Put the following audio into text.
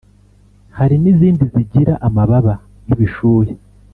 hari nizindi zigira amababa (nk’ibishuhe)